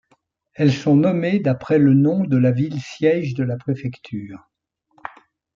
Elles sont nommées d’après le nom de la ville siège de la préfecture.